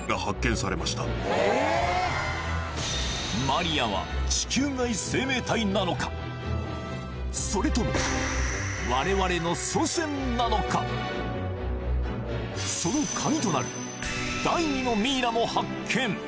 マリアは地球外生命体なのかそれとも我々の祖先なのかその鍵となる第２のミイラも発見